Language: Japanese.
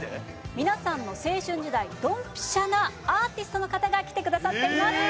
皆さんの青春時代にドンピシャなアーティストの方が来てくださっています。